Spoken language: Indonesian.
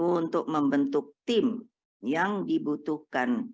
untuk membentuk tim yang dibutuhkan